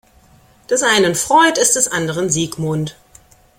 Des einen Freud ist des anderen Sigmund.